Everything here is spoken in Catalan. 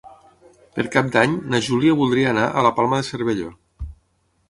Per Cap d'Any na Júlia voldria anar a la Palma de Cervelló.